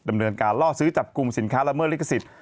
ดำเนินการล่อซื้อจับกลุ่มสินค้าละเมิดลิขสิทธิ